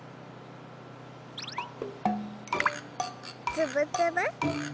つぶつぶ。